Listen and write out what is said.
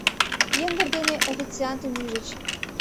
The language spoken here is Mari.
Йыҥгыр дене официантым ӱжыч.